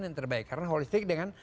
yang terbaik karena holistik dengan